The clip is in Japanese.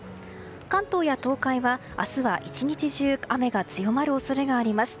関東や東海は明日は１日中雨が強まる恐れがあります。